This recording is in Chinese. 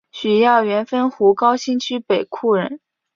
许耀元汾湖高新区北厍人。